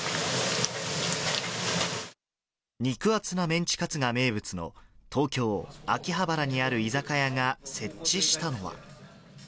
肉厚なメンチカツが名物の東京・秋葉原にある居酒屋が設置したのは。